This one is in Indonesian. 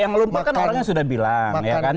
yang lumpar kan orangnya sudah bilang